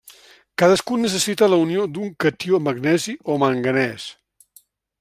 Cadascun necessita la unió d'un catió magnesi o manganès.